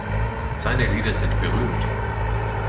Seine Lieder sind berühmt.